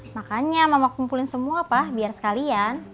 makanya mama kumpulin semua pak biar sekalian